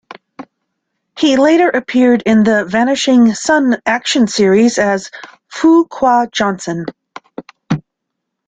He later appeared in the "Vanishing Son" action series as Fu Qua Johnson.